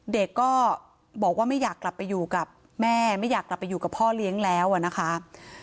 เด็กก็บอกว่าไม่อยากกลับไปอยู่กับแม่ไม่อยากกลับไปอยู่กับพ่อเลี้ยงแล้วนะคะ